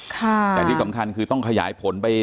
แต่ที่สำคัญคือต้องขยายผลไป